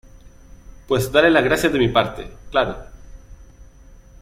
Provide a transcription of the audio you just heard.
pues dale las gracias de mi parte. claro .